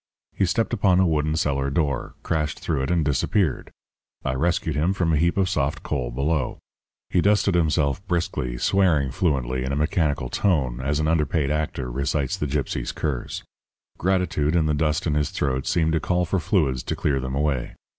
He stepped upon a wooden cellar door, crashed through it, and disappeared. I rescued him from a heap of soft coal below. He dusted himself briskly, swearing fluently in a mechanical tone, as an underpaid actor recites the gypsy's curse. Gratitude and the dust in his throat seemed to call for fluids to clear them away.